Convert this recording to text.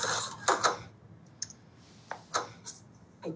・はい。